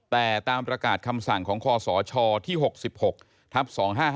แต่ตามประกาศคำสั่งของคศที่๖๖ทับ๒๕๖